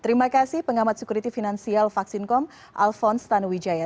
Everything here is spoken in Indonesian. terima kasih pengamat sekuriti finansial vaksin com alphonse tanuwijaya